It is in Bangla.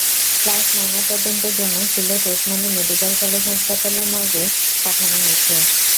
লাশ ময়নাতদন্তের জন্য সিলেট ওসমানী মেডিকেল কলেজ হাসপাতালের মর্গে পাঠানো হয়েছে।